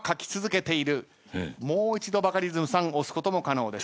もう一度バカリズムさん押すことも可能です。